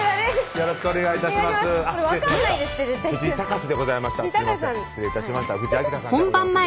よろしくお願いします